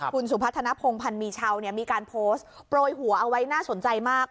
คุณสุพัฒนภงพันธ์มีชาวมีการโพสต์โปรยหัวเอาไว้น่าสนใจมาก